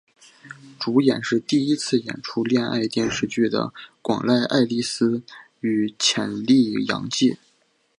主演是第一次演出恋爱电视剧的广濑爱丽丝与浅利阳介。